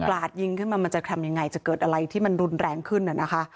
เกิดกราดยิงขึ้นมามันจะทำยังไงจะเกิดอะไรที่มันรุนแรงขึ้น